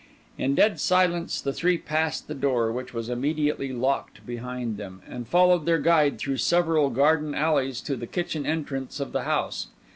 In dead silence the three passed the door, which was immediately locked behind them, and followed their guide through several garden alleys to the kitchen entrance of the house.